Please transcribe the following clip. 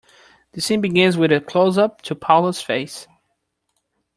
The scene begins with a closeup to Paula's face.